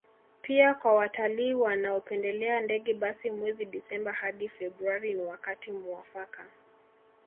Pia kwa watalii wanaopendelea ndege basi mwezi Disemba hadi Februari ni wakati muafaka